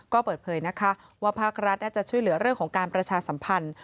ก็เปิดเผยนะคะว่าภาครัฐน่าจะช่วยเหลือเรื่องของการประชาสัมพันธ์